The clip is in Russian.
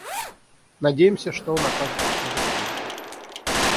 Надеемся, что он окажется продуктивным.